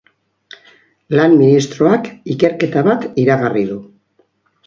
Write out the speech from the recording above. Lan ministroak ikerketa bat iragarri du.